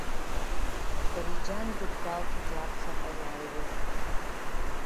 Дареџьангьы дгәалҭеит лаԥхьаҟа иаиуаз.